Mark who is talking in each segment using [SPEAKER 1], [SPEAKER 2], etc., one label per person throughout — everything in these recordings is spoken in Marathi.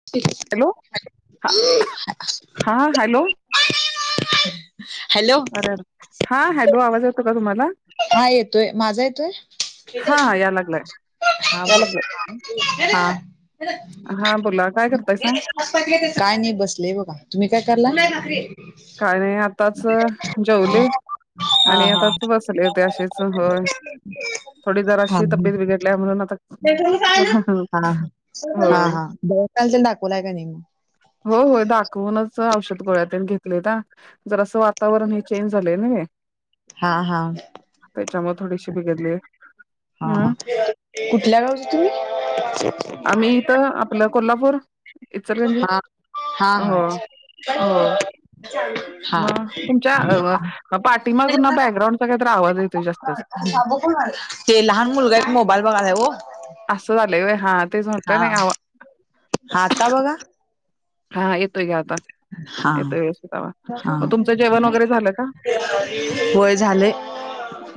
[SPEAKER 1] [unintelligible]
[SPEAKER 2] लो हा हॅलो
[SPEAKER 1] हॅलो
[SPEAKER 2] अरेरे हा हॅलो आवाज येतो का तुम्हाला
[SPEAKER 1] हा येतोय माझा येतोय.
[SPEAKER 2] हा हा या लागलाय
[SPEAKER 1] हा
[SPEAKER 2] या
[SPEAKER 1] बो
[SPEAKER 2] लागलाय
[SPEAKER 1] हा
[SPEAKER 2] हा बोला काय करतायसा
[SPEAKER 1] काय नाय बसलेय बघा तुम्ही काय करला
[SPEAKER 2] काय नाय आताच जेवले आणि आताच बसले होते अशीच
[SPEAKER 1] [unintelligible] हात
[SPEAKER 2] तब्येत बिघडल्या म्हणून आता
[SPEAKER 1] प्रथमेश हाय ना हा हा हा
[SPEAKER 2] होय
[SPEAKER 1] हा त्याला तरी दाखवलाय का नाय मग
[SPEAKER 2] हो हो दाखवूनच औषध गोळ्या तेन घेत तलेता जरांसं वातावरण हे चेंज झालंय न हे
[SPEAKER 1] हा हा
[SPEAKER 2] त्याच्यामुळ थोडीशी बिघडले.
[SPEAKER 1] हा हा कुठल्या गावच तुम्ही?
[SPEAKER 2] त आपलं कोल्हापूर इचलकरंजी
[SPEAKER 1] हा हा
[SPEAKER 2] हो
[SPEAKER 1] हा
[SPEAKER 2] हो
[SPEAKER 1] हा
[SPEAKER 2] म तुमच्या अ पाठीमागून ना बॅकग्राउंडचा काहीतर आवाज येतोय जास्तच
[SPEAKER 1] ते लहान मुलगा एक मोबाईल बघायलाय ओ
[SPEAKER 2] असं झालंय व्हय हा तेच
[SPEAKER 1] हा
[SPEAKER 2] म्हटलं नाही आवा
[SPEAKER 1] हा आता बघा
[SPEAKER 2] हा येतोय की आता
[SPEAKER 1] हा
[SPEAKER 2] येतोय व्यवस्थित आवाज.
[SPEAKER 1] हा
[SPEAKER 2] मग तुमचं जेवण वगैरे झालं का?
[SPEAKER 1] होय झालय.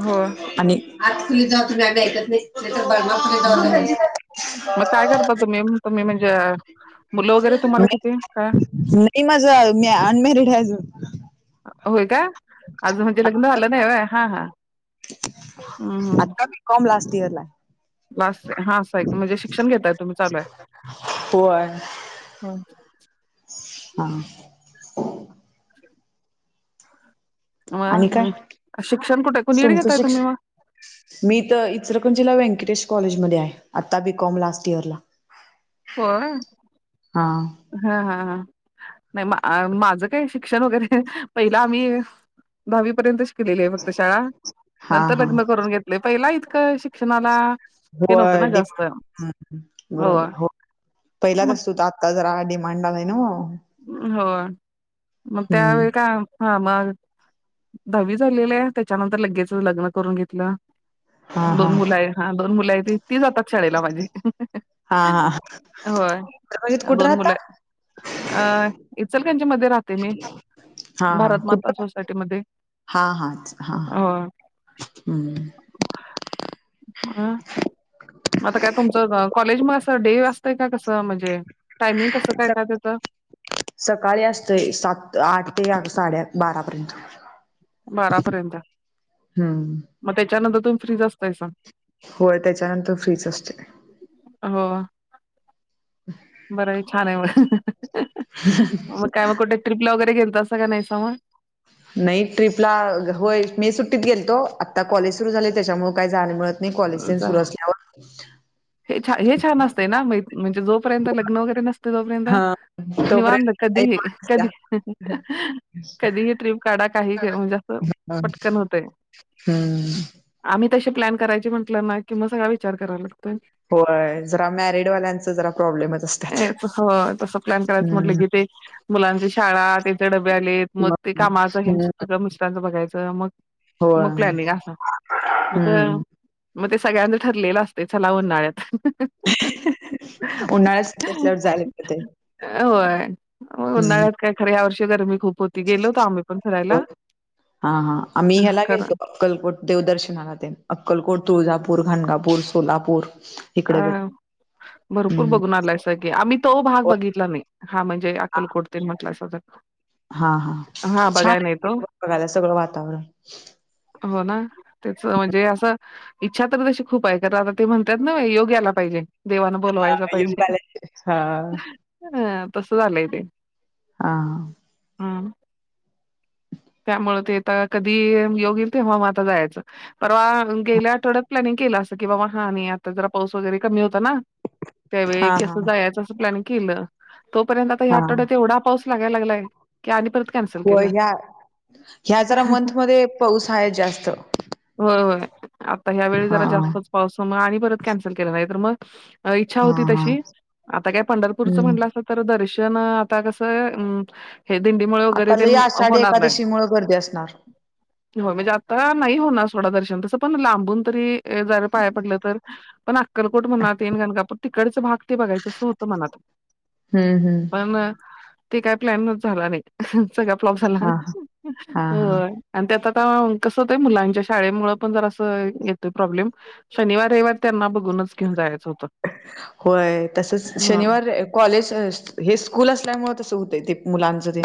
[SPEAKER 2] होय
[SPEAKER 1] आणि आज कुणी जा तुम्ही आम्ही ऐकत नाई. ते तर बर ना
[SPEAKER 2] हम्म म काय करता तुम्ही तुम्ही म्हणजे मुलं वगैरे तुम्हाला किती काय?
[SPEAKER 1] ते माझं मी अनमॅरिड हाय अजून
[SPEAKER 2] होय का अजून म्हणजे लग्न झाला नाय व्हय हा हा हूं
[SPEAKER 1] आता
[SPEAKER 2] हूं
[SPEAKER 1] बी कॉम लास्ट इयर ला हाय.
[SPEAKER 2] लास्ट हा असं हाय म्हणजे शिक्षण घेताय तुम्ही चालू
[SPEAKER 1] होय
[SPEAKER 2] हाय.
[SPEAKER 1] हा
[SPEAKER 2] म
[SPEAKER 1] आणि काय
[SPEAKER 2] ह शिक्षण कुठ कुनीकड
[SPEAKER 1] तुमचं
[SPEAKER 2] घेतताय
[SPEAKER 1] शिक्ष
[SPEAKER 2] तुम्ही म
[SPEAKER 1] मी इथं इचलकरंजीला व्यंकटेश कॉलेजमध्ये आहे आत्ता बी कॉम लास्ट इयरला
[SPEAKER 2] होय.
[SPEAKER 1] हा
[SPEAKER 2] हा हा हा नाय माझं काय शिक्षण वगैरे पहिल आम्ही दहावी पर्यंत शि कलेलेय आहे फक्त शाळा
[SPEAKER 1] हा
[SPEAKER 2] नंतर
[SPEAKER 1] हा
[SPEAKER 2] लग्न करून घेतलय पहिला इतकं शिक्षणाला हे नव्हतं
[SPEAKER 1] होय
[SPEAKER 2] ना जास्त
[SPEAKER 1] डिमांड बरोबर हो पहिलाच
[SPEAKER 2] मग
[SPEAKER 1] असतो आ आता जरा डिमांड आलाय नव्ह.
[SPEAKER 2] होय मग
[SPEAKER 1] हम्म.
[SPEAKER 2] त्यावेळी काय हा मग दहावी झालेले त्याच्यानंतर लगेच लग्न करून घेतलं.
[SPEAKER 1] हा हा
[SPEAKER 2] दोन मुल आहे हा दोन मुल हायती. ती जातात शाळेला माझी
[SPEAKER 1] हा हा
[SPEAKER 2] होय
[SPEAKER 1] इचलकरंजीत कुठं
[SPEAKER 2] दोन
[SPEAKER 1] राहता
[SPEAKER 2] मुलंय अ इचलकरंजी मध्ये रात ते मी
[SPEAKER 1] हा हा
[SPEAKER 2] भारत मांता
[SPEAKER 1] कुठं
[SPEAKER 2] सोसायटीमध्ये मं हो
[SPEAKER 1] हम्मं
[SPEAKER 2] अं आंता कायं तुमचं कॉलेज मंग असं डे वां असतंय कां कसं म्हणजे टायमिंग कसं कायं कां त्यांचं
[SPEAKER 1] सकाळीं असतेयं सात आठ ते साडेयां बारांपर्यंत
[SPEAKER 2] बारांपर्यंत
[SPEAKER 1] हम्म
[SPEAKER 2] मंग त्यांच्यानंतर तुम्हीं फ्रीज असतांय संग
[SPEAKER 1] होयं त्यांच्यानंतर फ्रीच असतें
[SPEAKER 2] हं
[SPEAKER 1] हं
[SPEAKER 2] बरं आहे छान आहे मं मंग कायं मंग कुठे ट्रिपला वगैरें घेल असं कां नाहीं समोरं
[SPEAKER 1] नाहीं ट्र्रीपला होयं मे सुट्टीत गेलतो आंत्ता कॉलेज सुरूं झाले त्यांच्यामुळे कायं जाणेमुळे
[SPEAKER 2] जां हे छान हे छान असतंय नां मं म्हणजे जोपर्यंत लग्नं वगैरे नसते तोपर्यंत
[SPEAKER 1] हा तोपर्यंत
[SPEAKER 2] निवांत कधीं कधीं हि कधीही ट्रीप काढां कांहीं म्हणजे असं पटकंन होतं
[SPEAKER 1] हम्मं
[SPEAKER 2] आम्हीं तसें प्लॅन करायचे म्हंटलं नां किंवा सगळ्यां विचार करायंला लागतोय
[SPEAKER 1] होय जरा मॅरिड वाल्यांच जरा प्रॉब्लेमच असतात
[SPEAKER 2] अं तं तसे प्लॅन करायचं म्हटलं की
[SPEAKER 1] हम्म
[SPEAKER 2] ते मुलांची शाळां त्यांचे डबे आलेत मंग ते कामाचं
[SPEAKER 1] हम्म
[SPEAKER 2] हेच्या सगळं मिश्रांचं बघायचं मंग
[SPEAKER 1] होय
[SPEAKER 2] मकलं मं अंसा मंग
[SPEAKER 1] हम्म
[SPEAKER 2] मंग ते सगळ्यांचं ठरलेलं असतें चलां उन्हाळ्यांत
[SPEAKER 1] उन्हाळ्यांची सुट्टी असल्यांवर जायलां मिळते
[SPEAKER 2] मंग उन्हाळ्यांत कायं खरं यां वर्षी गर्मी खूंप होती गेलो होतो आम्हीं
[SPEAKER 1] बरं हां हां आम्हीं मी ह्यांला
[SPEAKER 2] खरं
[SPEAKER 1] गेलतो अक्कलकोट देवदर्शनांला अक्कलकोट तुळजांपूर खनगांपूर सोलांपूर
[SPEAKER 2] अं भरंपूर बघूंन आलांयसा आम्हीं तो भांग बघितलां नाहीं हां म्हणजे अक्कलकोटकुडतील म्हटलं स जरं
[SPEAKER 1] हां हां छान आहे बघांयला सगळं वातांवरण
[SPEAKER 2] हो नां त्यांचं म्हणजे असं ईच्छा तरं तशी खूंप आहे आता ते म्हणतांत नं योग्यांला पाहिजे देवानं
[SPEAKER 1] हा
[SPEAKER 2] बोलवांयला पाहिजे
[SPEAKER 1] योगालय हा
[SPEAKER 2] हं तसं झालंय ते
[SPEAKER 1] हां
[SPEAKER 2] हम्मं त्यामुळें तेतां कधीं येईल योग्य तेंव्हा मं आंता जायचं पर्वा गेल्यानं आठवड्यांत प्लॅनिंग केलं असं कि बाबां हां आणि आंता जरां पाऊस वगैरें कमी होतां नां त्यांवेळी
[SPEAKER 1] हा हा
[SPEAKER 2] कसं जायचं असं प्लॅन केलं तोपर्यंत आंता ह्यां
[SPEAKER 1] हा
[SPEAKER 2] आठवड्यांत एवढां पाऊसं लागांयला लागलांय की आणि परंत
[SPEAKER 1] हो ह्यां ह्यां जरा मंथमध्यें पाऊस आहेतं जास्तं
[SPEAKER 2] हो होयं आंता ह्यां वेळी जरां जास्तंच पाऊस मंग आणि परंत कॅन्सल केले जांयाच तरं मंग ईच्छा
[SPEAKER 1] हा
[SPEAKER 2] होती
[SPEAKER 1] हा
[SPEAKER 2] तशी आंता कायं पंढरपूरचं
[SPEAKER 1] हम्म
[SPEAKER 2] म्हणलं असं तरं दर्शन आंता कसं आहे हे दिंडीमुळे वगैरें
[SPEAKER 1] आता
[SPEAKER 2] ते
[SPEAKER 1] लई आषाढी
[SPEAKER 2] होणार
[SPEAKER 1] एकादशी मुळे गर्दी असणारं
[SPEAKER 2] हो म्हणजे आंता नाहीं होणारं थोडं दर्शन तसं पणं लांबून तरी जरं पायां पडलं तरं पणं अक्कलकोट म्हणून गणकांपूर तिकडचं भांग ते बघायचं असं होतं मनांत
[SPEAKER 1] हम्म हम्म
[SPEAKER 2] म ते काय प्लॅन च झाला नाय सगळा फ्लॉप झाला.
[SPEAKER 1] हा हा हा हा
[SPEAKER 2] होय. आणि त्यात आता कसं होतय मुलांच्या शाळेमुळ पण जरासं येतोय प्रॉब्लेम शनिवार रयवार त्यांना बघूनच घेऊन जायचं होतं.
[SPEAKER 1] होय तसच
[SPEAKER 2] हा
[SPEAKER 1] शनिवार रय कॉलेज हे स्कूल असल्यामुळ तसं होतंय ते मुलांचं ते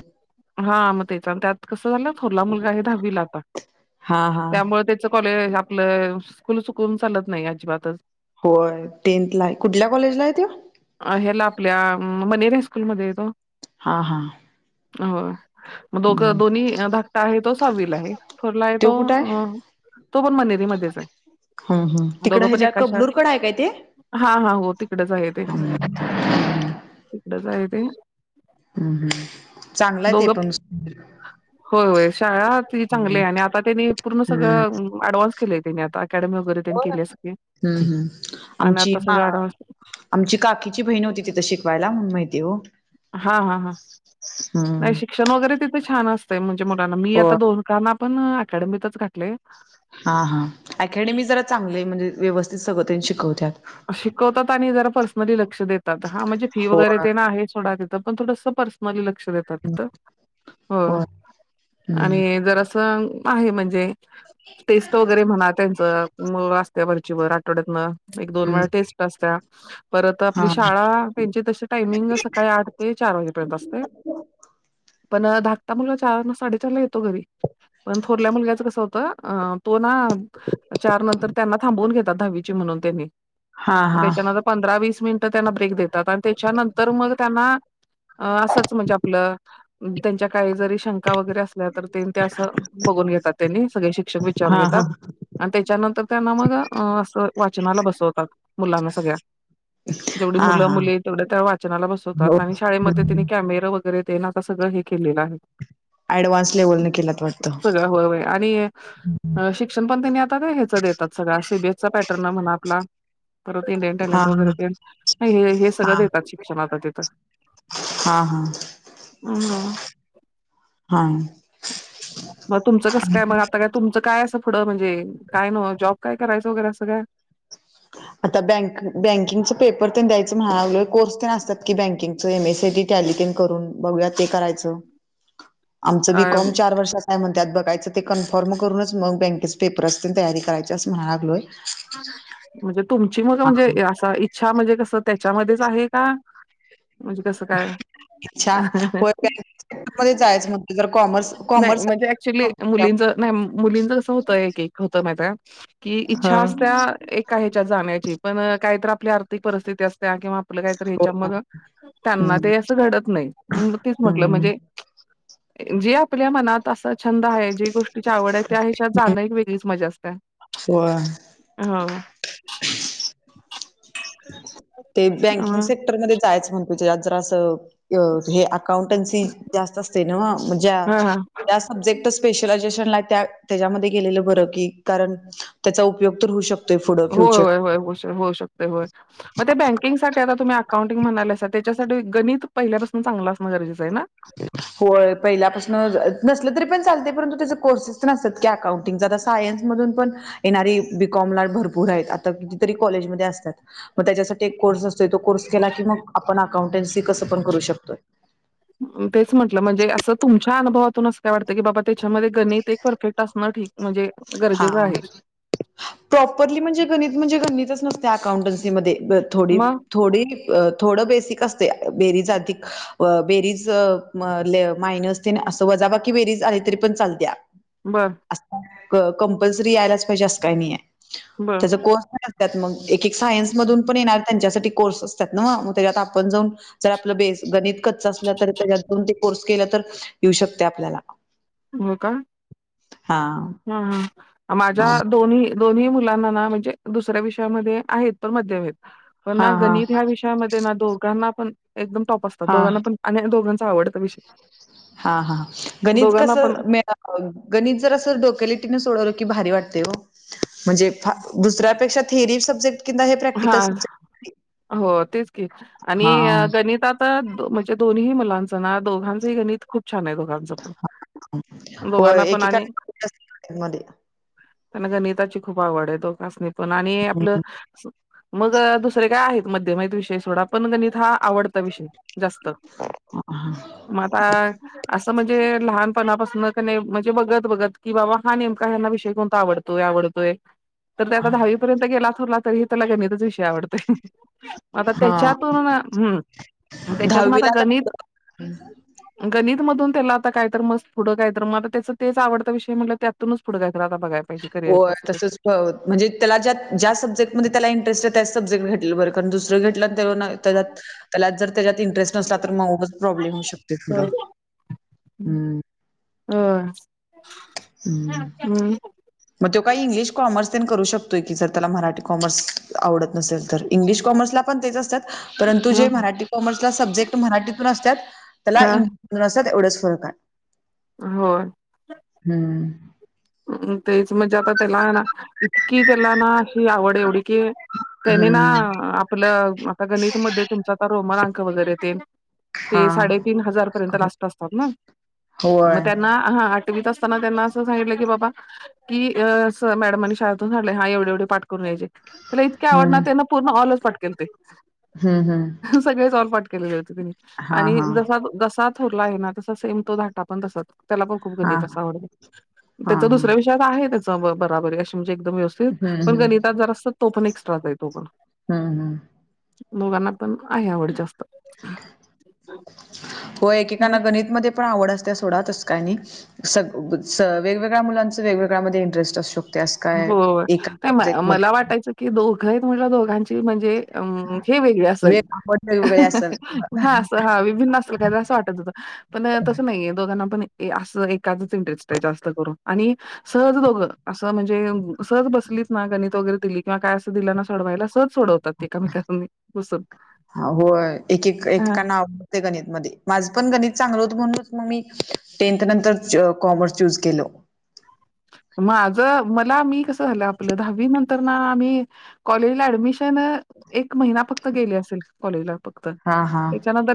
[SPEAKER 2] हा म तेच त्यात कस झालं थोरला मुलगा आहे दहावीला आता
[SPEAKER 1] हा हा
[SPEAKER 2] त्यामुळ ते च कॉलेज आपलं स्कुल चुकवून चालत नाय अजिबातच
[SPEAKER 1] होय टेंथ हाय कुठल्या कॉलेजला हाय त्यो
[SPEAKER 2] अ ह्याला आपल्या मनेरि हाय-स्कूलमध्ये हाय तो
[SPEAKER 1] हा हा
[SPEAKER 2] होय म दोघं
[SPEAKER 1] हम्म
[SPEAKER 2] दोन्ही धाकटा आहे तो सहावीला आहे थोरला आहे
[SPEAKER 1] त्यो
[SPEAKER 2] तो
[SPEAKER 1] कुठं आहे
[SPEAKER 2] अ तो पण मनेरीमध्येच आहे.
[SPEAKER 1] हं हं तिकड
[SPEAKER 2] दोघं पण
[SPEAKER 1] ह्याच्या
[SPEAKER 2] एका शाळेत
[SPEAKER 1] कबनुर कडं हाय काय ते
[SPEAKER 2] हा हा हो तिकडच आहे ते
[SPEAKER 1] हम्म
[SPEAKER 2] तिकडच आहे ते
[SPEAKER 1] हम्म हम्म चांगलाय ते
[SPEAKER 2] दोघं
[SPEAKER 1] पण
[SPEAKER 2] होय होय शाळा ती
[SPEAKER 1] हम्म
[SPEAKER 2] चांगलीय आणि आता त्यांनी पूर्ण
[SPEAKER 1] हम्म
[SPEAKER 2] सगळं ॲडव्हान्स केले त्यांनी आता अकॅडमी वगैरे त्यांनी केली सगळी
[SPEAKER 1] हम्म
[SPEAKER 2] आणि
[SPEAKER 1] आमची
[SPEAKER 2] आता
[SPEAKER 1] हा
[SPEAKER 2] सगळ ॲडव्हान्स
[SPEAKER 1] आमची काकीची बहीण होती तिथं शिकवायला म्हणून माहितीय हो
[SPEAKER 2] हा हा हा नाय
[SPEAKER 1] हम्म
[SPEAKER 2] शिक्षण वगैरे तिथे छान असतय म्हणजे मुलांना मी
[SPEAKER 1] हो
[SPEAKER 2] आता दोघाना पण अकॅडमीतच घातलय.
[SPEAKER 1] हा हा अकॅडमी जरा चांगलय म्हणजे व्यवस्थित सगळं त्यांनं शिकवत्यात.
[SPEAKER 2] शिकवतात आणि जरा पर्सनली लक्ष देतात हा म्हणजे फी वगैरे
[SPEAKER 1] होय
[SPEAKER 2] तेन आहे सोडा त पण थोडस पर्सनली लक्ष देतात तिथं होय.
[SPEAKER 1] हम्म.
[SPEAKER 2] आणि जरासं आहे म्हणजे टेस्ट वगैरे म्हणा त्यांचं मग अस्त्या वरचीवर आठवड्यातनं एक दोन
[SPEAKER 1] हम्म.
[SPEAKER 2] वेळा टेस्ट असत्या परत आपली
[SPEAKER 1] हां.
[SPEAKER 2] शाळा त्यांची तशी टामिंग सकाळी आठ ते चार वाजेपर्यंत असते. पण धाकता मुलगा चार साडेचार ला येतो घरी. पण थोरल्या मुलग्याचं कसं होतं अ तो ना चार नंतर त्यांना थांबवून घेतात दहावीची म्हणून त्यांनी
[SPEAKER 1] हां,
[SPEAKER 2] म
[SPEAKER 1] हां.
[SPEAKER 2] त्याच्यानंतर पंधरा वीस मिनिटं त्यांना ब्रेक देतात आणि त्याच्यानंतर मग त्यांना अ असंच म्हणजे आपलं त्यांच्या काही जरी शंका वगैरे असल्या तर तेन ते असं बघून घेतात त्यांनी सगळे शिक्षक वि चारून
[SPEAKER 1] हां,
[SPEAKER 2] घेतात
[SPEAKER 1] हां.
[SPEAKER 2] आणि त्याच्यानंतर त्यांना मग अस वाचनाला बसवतात मुलांना सगळ्या जेवढी
[SPEAKER 1] हां,
[SPEAKER 2] मुलं
[SPEAKER 1] हां.
[SPEAKER 2] मुली तेवढ्या त्या वाचनाला
[SPEAKER 1] हो.
[SPEAKER 2] बसवतात आणि शाळेमध्ये त्यानी
[SPEAKER 1] हं.
[SPEAKER 2] कॅमेरं व वगैरे तेन आता सगळं हे केलेलं आहे.
[SPEAKER 1] ॲडव्हान्स लेव्हलने केलात वाटतं.
[SPEAKER 2] सगळ होय होय आणि अ शिक शिक्षण पण तेनी आता ह्याचं देतात सगळा सी बी एस चा पॅटर्न म्हणा आपला परत इंडियन
[SPEAKER 1] हां,
[SPEAKER 2] टॅलेंट वगैरे
[SPEAKER 1] हां.
[SPEAKER 2] ते नाय हे हे सगळं देतात शिक्षण आता तिथं.
[SPEAKER 1] अहा
[SPEAKER 2] हं.
[SPEAKER 1] हा
[SPEAKER 2] म तुमचं कसं काय मग आता काय तुमचं काय असं पुढं म्हणजे काय नु जॉब काय करायचं वगैरे असं काय?
[SPEAKER 1] आता बँक बँकिंगच पेपर तेन द्याय च महाग लय कोर्स पण असतात की बँकिंगच M S C I T, tally तेन करून बघूयां ते करायच.
[SPEAKER 2] [inaudible]
[SPEAKER 1] आमचं बीकॉम चार वर्षात काय म्हणत्यात बघायचं ते कन्फर्म करूनच मग बँकेचे पेपर असतील तयारी करायच असं म्हणा लागलोय
[SPEAKER 2] म्हणजे तुमची मग म्हणजे
[SPEAKER 1] हां.
[SPEAKER 2] असा इच्छा म्हणजे कसं त्याच्यामध्येच आहे का? म्हणजे कसं काय हा हा हा
[SPEAKER 1] तेच्या मध्येच जायच म्हणतोय जर कॉमर्स कॉमर्स
[SPEAKER 2] ते ऍक्चुली मुलींच नाही मुलींच कसं होतय एक एक होत माहित आहे की इच्छा
[SPEAKER 1] हां.
[SPEAKER 2] असत्या एक एका हेच्यात जाण्याची पण काही तर आपल्या आर्थिक परिस्थिती असत्यात किंवा आपलं काहीतरी
[SPEAKER 1] हो ना.
[SPEAKER 2] ह्याच्यामध त्यांना
[SPEAKER 1] हम्म.
[SPEAKER 2] ते असं घडत नाही मग तेच म्हटलं
[SPEAKER 1] हम्म.
[SPEAKER 2] म्हणजे जे आपल्या मनात असं छंद आहे जी गोष्टीची आवड आहे त्या हेच्यात जाणं एक वेगळीच मजा असत्या
[SPEAKER 1] सोळा
[SPEAKER 2] हो ना
[SPEAKER 1] ते बँकिंग सेक्टरमध्ये जायचं म्हणतोय तेजात जरा असं हे अकाउंटन्सी जास्त असते नव्ह म्हणजे
[SPEAKER 2] हां हां.
[SPEAKER 1] त्या सब्जेक्ट स्पेशलायझेशनला त्या त्याच्यामध्ये गेलेलं बरं की कारण त्याचा उपयोग तर होऊ शकतो
[SPEAKER 2] हो होय होय होऊ शक होऊ शकते होय मग ते बँकिंगसाठी त्याला तुम्ही अकाउंटिंग म्हणालासा त्याच्यासाठी गणित पहिल्यापासून चांगलं असणं गरजेचं आहे ना
[SPEAKER 1] होय पहिल्यापासून नसल तरी पण चालते परंतु त्याच कोर्सेस तेन असतात अकाउंटिंग जरा सायन्स मधून पण येणारी बीकॉम ला भरपूर आहेत आता किती तरी कॉलेज मध्ये आसत्यात मग तेच्यासाठी एक कोर्स असतोय तो कोर्स केला कि मग आपण अकांउटन्सि कंस पण करू शकतोय.
[SPEAKER 2] तेच म्हटलं म्हणजे असं तुमच्या अनुभवातून अस काय वाटतं की बाबा त्याच्यामध्ये गणित एक परफेक्ट असणं ठीक म्हणजे
[SPEAKER 1] हा
[SPEAKER 2] गरजेचं आहे
[SPEAKER 1] प्रॉपरली म्हणजे गणित म्हणजे गणितच नसते अकाउंटन्सीमध्ये थोडी
[SPEAKER 2] मग
[SPEAKER 1] थोडी थोडं बेसिक असतेय बेरीज अधिक अ बेरीज मायनस तेन असं वजाबाकी बेरीज आली तरी पण चालत्या
[SPEAKER 2] बरं
[SPEAKER 1] कप्लसरी यायलाच पाहिजे अस काय नाही आहे
[SPEAKER 2] बर
[SPEAKER 1] तेझ कोर्स त मग एक एक सायन्स मधून पण येणार त्यांच्यासाठी कोर्स असत्यात नव्ह मग त्याच्यात आपण जाऊन जर आपलं बेस गणित कच्च असलं तर त्याच्यातून ते कोर्स केला तर येऊ शकतेय आपल्याला
[SPEAKER 2] हो का
[SPEAKER 1] हा
[SPEAKER 2] हा हा माझ्या
[SPEAKER 1] हा
[SPEAKER 2] दोन्ही दोन्ही मुलांना ना म्हणजे दुसऱ्या विषयामध्ये आहेत पण मध्यम आहेत पण ना
[SPEAKER 1] हा हा
[SPEAKER 2] गणित ह्या विषय दोघांना पण एकम टॉप असत्यात
[SPEAKER 1] हा
[SPEAKER 2] दोघांना पण आणि दोघांचा आवडता विषय
[SPEAKER 1] हां हां गणित
[SPEAKER 2] दोघांना
[SPEAKER 1] कसं
[SPEAKER 2] पण
[SPEAKER 1] मे गणित जर असं डोकेलिटीने सोडवल की भारी वाटतय ओ म्हणजे दुसऱ्यापेक्षा थेरी सब्जेक्ट किंवा हे
[SPEAKER 2] हा
[SPEAKER 1] प्रॅक्टिकल सब्जेक्ट
[SPEAKER 2] हो तेच की आणि
[SPEAKER 1] हां
[SPEAKER 2] गणितात म्हणजे दोनही मुलांचं ना दोघांचंही गणित खूप छान आहेत हो दोघांच पण दोघांना
[SPEAKER 1] होय
[SPEAKER 2] पण
[SPEAKER 1] एकेका
[SPEAKER 2] आणि
[SPEAKER 1] मध्ये
[SPEAKER 2] त्यांना गणिताची खूप आवड आहे दोघासणी पण आणि आपलं मग दुसरे काय आहेत मध्यम आहेत विषयी सोडा पण गणित हा आवडता विषय जास्त
[SPEAKER 1] ह हा
[SPEAKER 2] म आता असं म्हणजे लहांनपणांपासून म्हणजे बघतं बघतं की बाबां हां नेमका हना विषय कोणंता आवडतं तोयं आवडतोय तरं ते आंता दहावीपर्यंत गेलां गेरला तरी हे त्यांला गणतांच विषय आवडतोय आंता
[SPEAKER 1] हां
[SPEAKER 2] त्यांच्यातून हम्मं त्यांच्यातून आंता गणितं
[SPEAKER 1] हं
[SPEAKER 2] गणित मधूंन त्यांला आंता कायं तरं मस्तं पुढं कायं तरं मंगला त्यांचं तेचं आवडता विषय म्हटलं त्यांतूनच प पुढें कायं आंता बघायचं
[SPEAKER 1] हो तसंच करं कॉल म्हणजे त्यांला ज्यां ज्यां सब्जेक्टमध्ये त्यांला इंटरेट आहे त्यां सब्जेट घटलं बरं कारणं दुसरं घटलं त्यां तं त्यांलात तरं त्यांच्यात इंटरेस्ट नसला तरं मंच प्रॉब्लेम होऊ शकते थोडं हम्मं
[SPEAKER 2] हम्मं
[SPEAKER 1] ईच
[SPEAKER 2] हम्मं
[SPEAKER 1] मंग तो कांहीं इंग्लिश कॉमर्स पं करूं शकतोय की जरं त्यांलाही मराठी कॉमर्स आवडतं नसेल तरं इंग्लिश कॉमर्सला पणं तेचं असतांत परंतु जे मराठी कॉमर्सला सब्जेक्ट मराठीतूंन असतांत त्यांला
[SPEAKER 2] हा
[SPEAKER 1] इ लसण तेवढंच सोलतात
[SPEAKER 2] होयं
[SPEAKER 1] हम्मं
[SPEAKER 2] म्हणजे तेचं म्हणजे आंता त्यांला नां इतकी त्यांला नां अशी आवड एवढी कि त्यांने
[SPEAKER 1] हम्म
[SPEAKER 2] नां आपलं आता गणितमध्यें तुमच्यां रोमन अंक वगैरें ते
[SPEAKER 1] हा
[SPEAKER 2] ते साडेतीनं हजार पर्यंत लागतन असतांत नां मंग
[SPEAKER 1] होय
[SPEAKER 2] त्यांना हां आठवीत असतांना त्यांना असं सांगितलं बाबां की मॅडमांनी शाळेतूंनडले हां एवढे एवढे पांठ करून यांयचे त्यांला इतके आवडणांर त्यांना पूर्ण ऑलज पटकेल ते
[SPEAKER 1] हम्मं हम्मं
[SPEAKER 2] सगळेचं ऑलपट केलेले होते तिने आणि
[SPEAKER 1] हा
[SPEAKER 2] ज जसा रंला आहे नां तसं सेम तो धाटा पणं तसंच त्यांला पणं खूंप
[SPEAKER 1] हा हा
[SPEAKER 2] गणितं अऊस आवडतं
[SPEAKER 1] हा
[SPEAKER 2] त्यांचं दुसऱ्यां
[SPEAKER 1] हम्म
[SPEAKER 2] विषयांत आहे त्याचं बराबरी व्यवस्थित
[SPEAKER 1] हम्म
[SPEAKER 2] पणं गण जरं असत तो पणं एक्स्ट्रा तो पणं
[SPEAKER 1] हम्म हम्म
[SPEAKER 2] दोघांना पणं आहे आवंड जास्तं हम्मं
[SPEAKER 1] पणं आवंड असतं त्यां सोंडा तसं कायं नाहीं संग वेगवेगळ्यांज मुलांचं वेगवेगळ्यामध्ये इंटरेस्ट अंसू शकतो
[SPEAKER 2] हो मंला वाटातचं की दोघांची मुलें आहेतं म्हटलं दोघांची म्हणजे अंम हे वेगळे
[SPEAKER 1] वेग
[SPEAKER 2] असेलं
[SPEAKER 1] आपण वेगवेगळे असेल
[SPEAKER 2] हां असं हां विभिन्न कायं असं वाटतं होतं पणं तसं नाहीये दोघांना पणं असं एकाचंच इंटरेस्ट आहे जास्तं करूंन आणि सहंज दोघं जणं असं म्हणजे सहज बसलीत नां गणितं वगैरें दिली किंवा कायं असं दिला नां सडवायला सहज सोडवंत
[SPEAKER 1] हां हो एक एक
[SPEAKER 2] हा
[SPEAKER 1] एककां नांव ते गणितं मध्यें माझं पणं गणितं चांगलं होतं म्हणूनचं मंग मी टेनथ नंतर कॉमर्स चूंज केलं
[SPEAKER 2] माझं मलां मी कसं झालं आपलं दहावी नंतर तरं नां आम्हीं कॉलेजला ऍडमिशन एक महिना फक्तं गेले असेल कॉलेजला फक्तं
[SPEAKER 1] हा हा
[SPEAKER 2] त्यांच्यानंतर